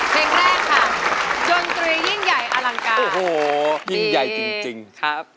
เพลงแรกค่ะดนตรียิ่งใหญ่อลังการโอ้โหยิ่งใหญ่จริงครับ